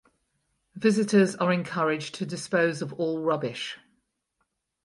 Visitors are encouraged to dispose of all rubbish.